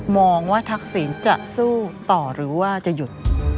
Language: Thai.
มองว่าทักษิณจะสู้ต่อหรือว่าจะหยุด